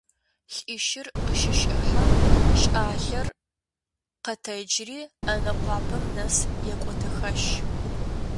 Лӏищыр къыщыщӏыхьэм, щӏалэр къэтэджри ӏэнэ къуапэм нэс екӏуэтэхащ.